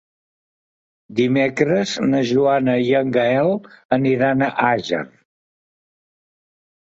Dimecres na Joana i en Gaël aniran a Àger.